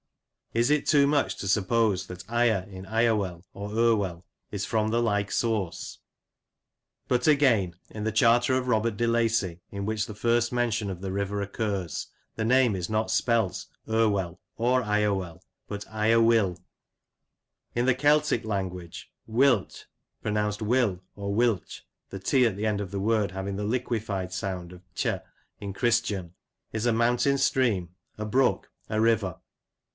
Is it too much to suppose that Ire in Irewell, or Irwell, is from the like source? But again, in the charter of Robert de Lacy, in which the first mention of the river occurs, the name is not spelt Irwell or Irewell, but IrewilL In the Celtic language, Uillt, pro nounced Tvilly or wilty (the / at the end of the word having the liquefied sound of iia in Christian,) is a mountain stream — a brook — a river.